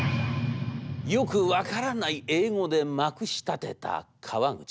よく分からない英語でまくしたてた川口。